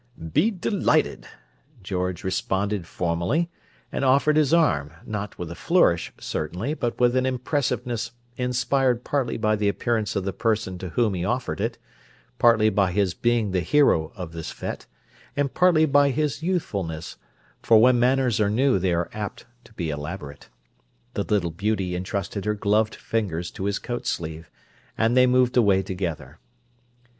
"Be d'lighted," George responded formally, and offered his arm, not with a flourish, certainly, but with an impressiveness inspired partly by the appearance of the person to whom he offered it, partly by his being the hero of this fête, and partly by his youthfulness—for when manners are new they are apt to be elaborate. The little beauty entrusted her gloved fingers to his coat sleeve, and they moved away together.